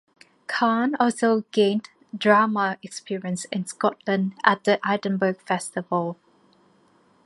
Karn also gained drama experience in Scotland at the Edinburgh Festival.